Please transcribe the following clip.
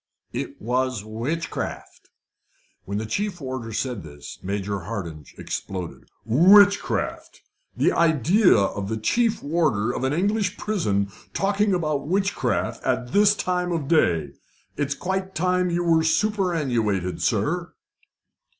"It was witchcraft." When the chief warder said this, Major Hardinge exploded. "Witchcraft! The idea of the chief warder of an English prison talking about witchcraft at this time of day! It's quite time you were superannuated, sir."